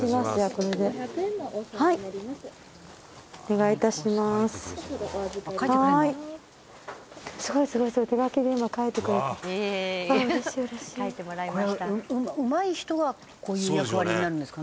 「これうまい人がこういう役割になるんですかね？」